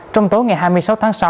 trong tối ngày hai mươi sáu tháng sáu